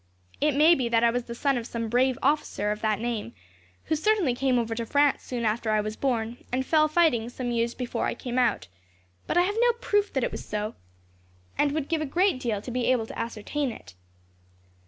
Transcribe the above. It may be that I was the son of a brave officer of that name, who certainly came over to France soon after I was born, and fell fighting some years before I came out; but I have no proof that it was so, and would give a great deal to be able to ascertain it.